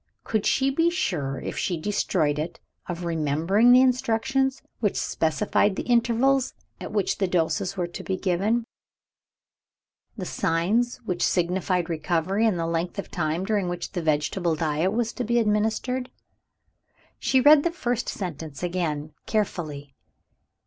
Could she be sure, if she destroyed it, of remembering the instructions which specified the intervals at which the doses were to be given, the signs which signified recovery, and the length of time during which the vegetable diet was to be administered? She read the first sentences again carefully.